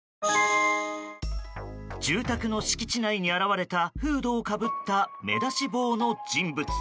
住宅の敷地内に現れたフードをかぶった目出し帽の人物。